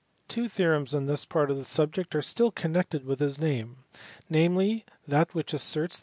Two theorems on this part of the subject aiv . .till connected with his name, namely, that which asserts tl.